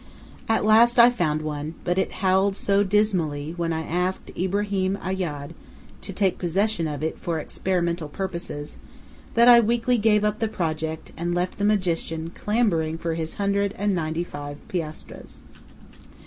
At last I found one, but it howled so dismally when I asked Ibrahim Ayyad to take possession of it for experimental purposes, that I weakly gave up the project, and left the magician clamoring for his hundred and ninety five piastres.